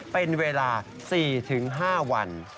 เป็นเวลา๔๕วัน